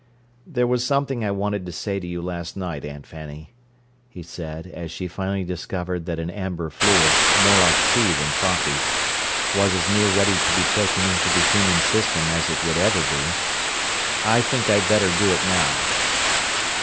"There was something I wanted to say to you last night, Aunt Fanny," he said, as she finally discovered that an amber fluid, more like tea than coffee, was as near ready to be taken into the human system as it would ever be. "I think I'd better do it now."